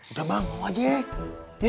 udah bang mau aja ya